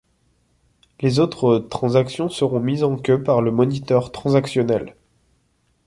Les autres transactions seront mises en queue par le moniteur transactionnel.